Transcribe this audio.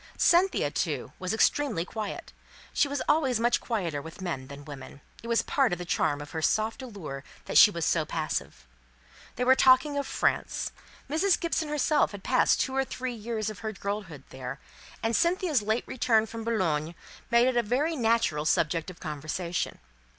Cynthia, too, was extremely quiet; she was always much quieter with men than with women; it was part of the charm of her soft allurement that she was so passive. They were talking of France. Mrs. Gibson herself had passed two or three years of her girlhood there; and Cynthia's late return from Boulogne made it a very natural subject of conversation.